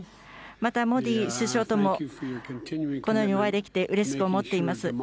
また、モディ首相ともこのようにお会いできてうれしく思っています。